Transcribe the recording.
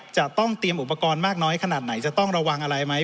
จะต้องเตรียมอุปกรณ์มากน้อยขนาดไหนจะต้องระวังอะไรไหม